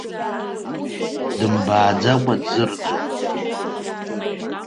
Дымбааӡакәа дзырӡом.